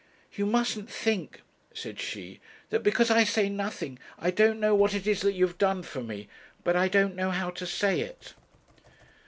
'You mustn't think,' said she, 'that because I say nothing, I don't know what it is that you've done for me; but I don't know how to say it.'